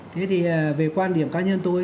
thế thì về quan điểm cá nhân tôi